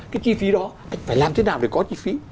cái chi phí đó anh phải làm thế nào để có chi phí